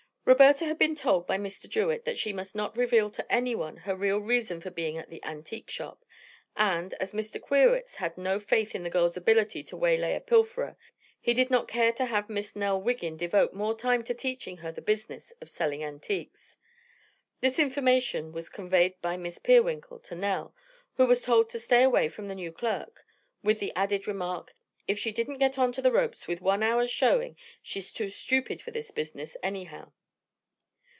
Roberta had been told by Mr. Jewett that she must not reveal to anyone her real reason for being at the antique shop, and, as Mr. Queerwitz had no faith in the girl's ability to waylay a pilferer, he did not care to have Miss Nell Wiggin devote more time to teaching her the business of selling antiques. This information was conveyed by Miss Peerwinkle to Nell, who was told to stay away from the new clerk, with the added remark: "If she didn't get on to the ropes with one hour's showing, she's too stupid for this business, anyhow."